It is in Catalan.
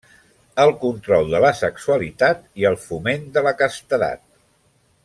El control de la sexualitat i el foment de la castedat.